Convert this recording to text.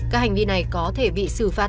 các hành vi này có thể bị xử phạt